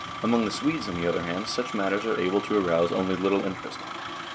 Among the Swedes, on the other hand, such matters are able to arouse only little interest.